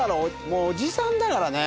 もうおじさんだからね。